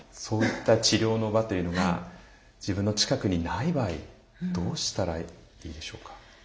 そういった治療の場というのが自分の近くにない場合どうしたらいいでしょうか？